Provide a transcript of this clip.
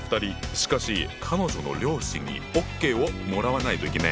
しかし彼女の両親にＯＫをもらわないといけない。